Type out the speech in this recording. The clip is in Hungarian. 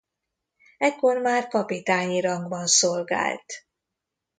Ekkor már kapitányi rangban szolgált.